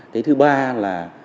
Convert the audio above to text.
thứ ba là